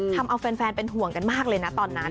ทำเอาแฟนเป็นห่วงกันมากเลยนะตอนนั้น